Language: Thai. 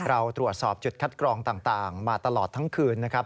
เราตรวจสอบจุดคัดกรองต่างมาตลอดทั้งคืนนะครับ